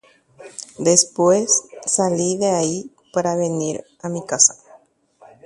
Upéingo asẽ upégui ajuhag̃uáicha che rógape.